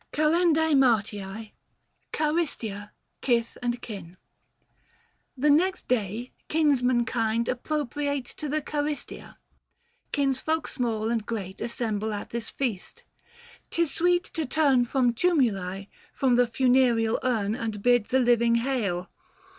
660 XL KAL. MART. CHAEISTIA. KITH AND KIN. The next day, kinsmen kind, appropriate To the Charistia — kinsfolk small and great Assemble at this feast : 'Tis sweet to turn From tumuli, from the funereal urn, xlnd bid the living hail